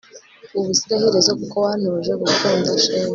ubuziraherezo, kuko wantoje gukunda shenge